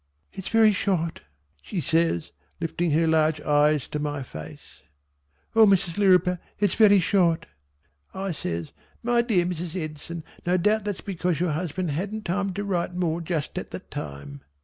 "It's very short!" she says lifting her large eyes to my face. "O Mrs. Lirriper it's very short!" I says "My dear Mrs. Edson no doubt that's because your husband hadn't time to write more just at that time."